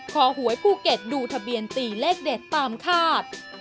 หวยภูเก็ตดูทะเบียนตีเลขเด็ดตามคาด